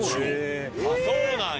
あっそうなんや！